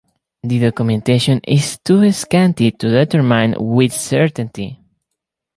The documentation is too scanty to determine with certainty.